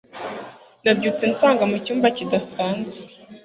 Nabyutse nsanga mucyumba kidasanzwe.